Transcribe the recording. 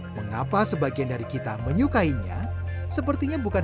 bisa habis berapa durian dalam sekali makan